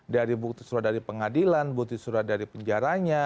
dari bukti surat dari pengadilan bukti surat dari penjaranya